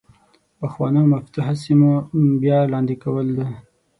د پخوانو مفتوحه سیمو بیا لاندې کول ده.